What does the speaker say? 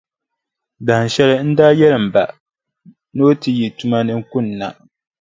Dahinshɛli, n daa yɛli m ba, ni o yi ti yi tuma ni kunna,